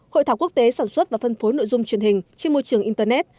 hội thảo quốc tế sản xuất và phân phối nội dung truyền hình trên môi trường internet